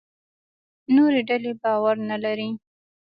نورې ډلې باور نه لري.